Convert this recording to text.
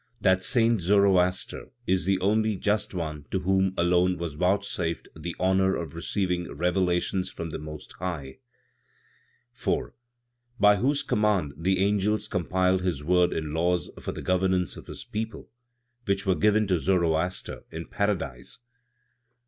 that Saint Zoroaster is the only Just One, to whom alone was vouchsafed the honor of receiving revelations from the Most High; 4. "By whose command the angels compiled His Word in laws for the governance of His people, which were given to Zoroaster in Paradise?